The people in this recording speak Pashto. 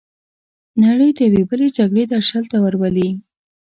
نړۍ د یوې بلې جګړې درشل ته ورولي.